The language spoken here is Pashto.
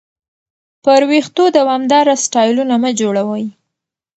پر وېښتو دوامداره سټایلونه مه جوړوئ.